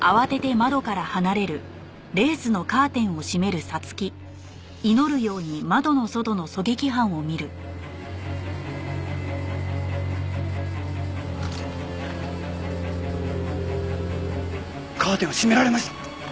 カーテンを閉められました！